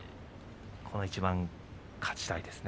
この一番は勝ちたいですね。